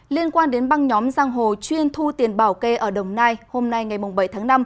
liên quan đến băng nhóm giang hồ chuyên thu tiền bảo kê ở đồng nai hôm nay ngày bảy tháng năm